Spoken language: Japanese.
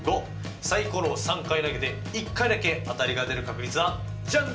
サイコロを３回投げて１回だけ当たりが出る確率はジャン！